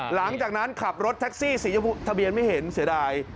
หลังจากนั้นขับรถแท็กซี่สีชมพูทะเบียนไม่เห็นเสียดาย